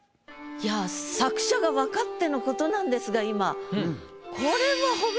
いや作者が分かってのことなんですが今。